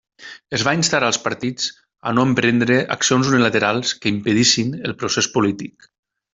Es va instar als partits a no emprendre accions unilaterals que impedissin el procés polític.